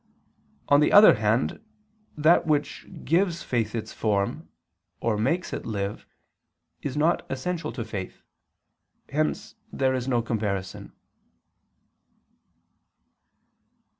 On the other hand that which gives faith its form, or makes it live, is not essential to faith. Hence there is no comparison.